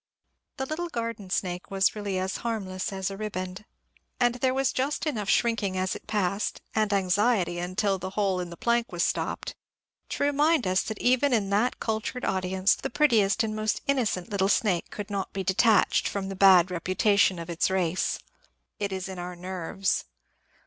The little garden snake was really as harmless as a riband, but there was just enough shrinking as it passed, and anxiety until the hole in the plank was stopped, to remind us that even in that cultured audience the prettiest and most innocent little snake could not be de tached from the bad reputation of its race. It is in our nerves.